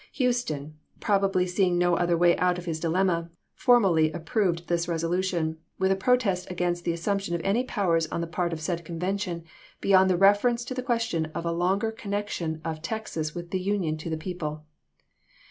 Houston, probably seeing no other way out of his dilemma, formally approved this resolution, "with a protest against the assumption of any powers on the part of said convention beyond the reference of the question of a longer connection of Texas with the Union to Ftb^Tisei. the people."